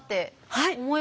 はい。